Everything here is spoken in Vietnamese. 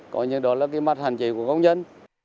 có những mặt hạn chế của công nhân